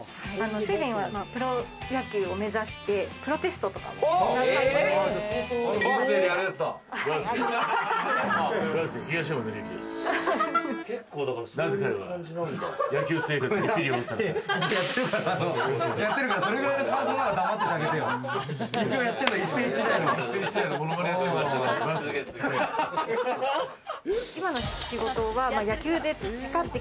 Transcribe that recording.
主人はプロ野球を目指してプロテストとかを受けていて。